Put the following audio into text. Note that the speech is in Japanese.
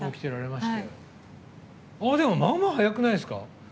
でも、まあまあ早くないですか？